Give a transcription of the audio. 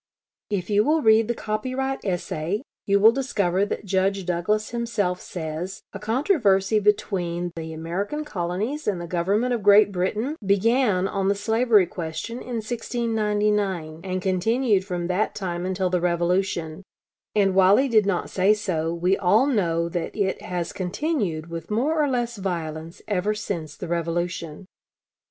If you will read the copyright essay, you will discover that Judge Douglas himself says, a controversy between the American Colonies and the Government of Great Britain began on the slavery question in 1699, and continued from that time until the Revolution; and, while he did not say so, we all know that it has continued with more or less violence ever since the Revolution....